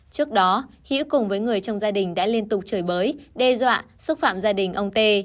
trước đó hữu cùng với người trong gia đình đã liên tục trời bới đe dọa xúc phạm gia đình ông t